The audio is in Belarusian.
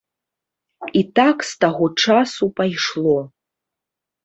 І так з таго часу пайшло.